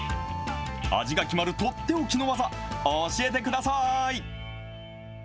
味が決まる、とっておきの技、教えてください。